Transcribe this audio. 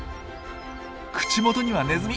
口元にはネズミ！